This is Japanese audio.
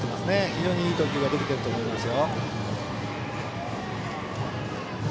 非常にいい投球ができていると思います。